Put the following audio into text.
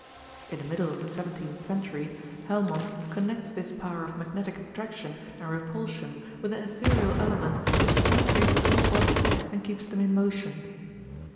In the middle of the seventeenth century, Helmont connects this power of magnetic attraction and repulsion with an ethereal element which penetrates all bodies and keeps them in motion.